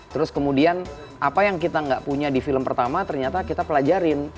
terus kemudian apa yang kita nggak punya di film pertama ternyata kita pelajarin